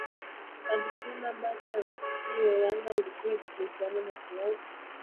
Alisema mbali na mechi hiyo Yanga ilikuwa ikishirikiana na Clouds Media katika matangazo